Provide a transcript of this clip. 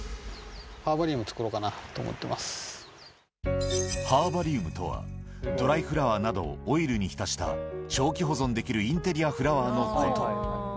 ハーバリウム作ろうかなと思ハーバリウムとは、ドライフラワーなどをオイルに浸した、長期保存できるインテリアフラワーのこと。